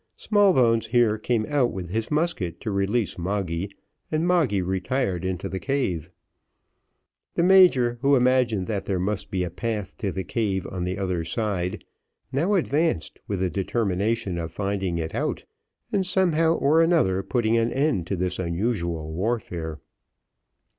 Smallbones here came out with his musket to release Moggy, and Moggy retired into the cave. The major, who imagined that there must be a path to the cave on the other side, now advanced with the determination of finding it out, and somehow or another putting an end to this unusual warfare.